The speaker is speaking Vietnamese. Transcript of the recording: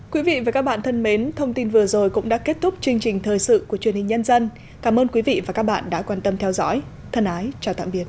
quý vị và các bạn thân mến thông tin vừa rồi cũng đã kết thúc chương trình thời sự của truyền hình nhân dân cảm ơn quý vị và các bạn đã quan tâm theo dõi thân ái chào tạm biệt